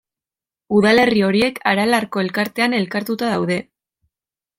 Udalerri horiek Aralarko Elkartean elkartuta daude.